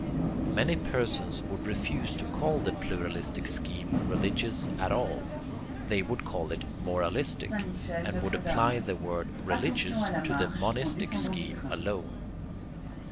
Many persons would refuse to call the pluralistic scheme religious at all. They would call it moralistic, and would apply the word religious to the monistic scheme alone.